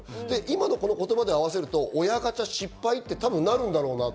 今のこの言葉で合わせると、親ガチャ失敗って多分なるんだろうなって。